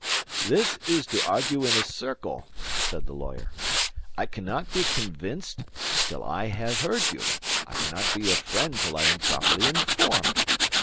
"This is to argue in a circle," said the lawyer. "I cannot be convinced till I have heard you. I cannot be your friend till I am properly informed.